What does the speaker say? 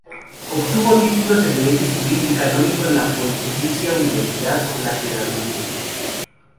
Obtuvo títulos en derecho civil y canónico en la Pontificia Universidad Lateranense.